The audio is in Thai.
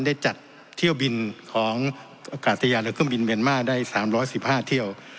ได้จัดเที่ยวบินของอากาศยานและเครื่องบินเมียนมาร์ได้๓๑๕เที่ยว